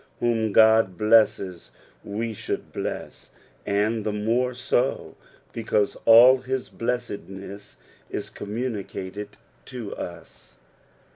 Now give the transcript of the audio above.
Whom God blesses we should bless, and the more so because all his blesscdaess is communicated to us.